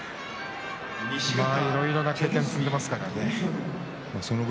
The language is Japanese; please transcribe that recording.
いろいろな経験を積んでいますからね正代は。